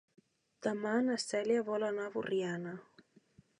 Demà na Cèlia vol anar a Borriana.